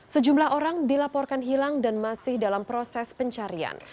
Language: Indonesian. sejumlah orang dilaporkan hilang dan masih dalam proses pencarian